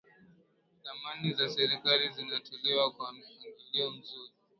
dhamana za serikali zinatolewa kwa mpangilio mzuri